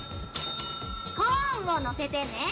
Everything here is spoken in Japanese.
コーンを載せてね。